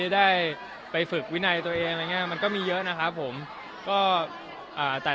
ได้ไปฝึกวินัยตัวเองอะไรอย่างเงี้ยมันก็มีเยอะนะครับผมก็อ่าแต่